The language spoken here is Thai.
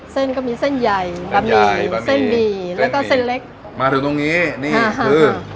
เส้นก็มีเส้นใหญ่ตำใหญ่เส้นหมี่แล้วก็เส้นเล็กมาถึงตรงนี้นี่คือ